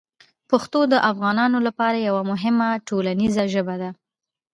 پښتو د افغانانو لپاره یوه مهمه ټولنیزه ژبه ده.